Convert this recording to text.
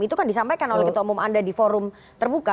itu kan disampaikan oleh ketua umum anda di forum terbuka